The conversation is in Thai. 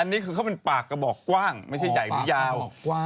อันนี้คือเขาเป็นปากกระบอกกว้างไม่ใช่ใหญ่หรือยาว